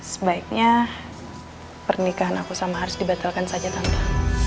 sebaiknya pernikahan aku sama haris dibatalkan saja tante